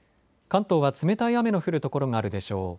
関東は冷たい雨の降る所があるでしょう。